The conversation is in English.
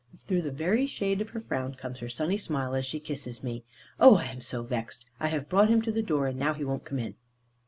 Through the very shade of her frown, comes her sunny smile, as she kisses me. "Oh, I am so vexed. I have brought him to the door; and now he won't come in!"